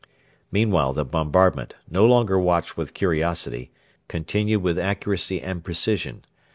Meanwhile the bombardment no longer watched with curiosity continued with accuracy and precision.